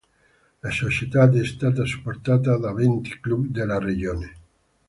La società è stata supportata da venti club della regione.